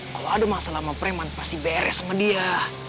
kalau ada masalah sama preman pasti beres sama dia